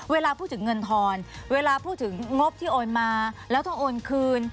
เวลาพูดถึงเงินทอนเวลาพูดถึงงบที่โอนมาแล้วต้องโอนคืน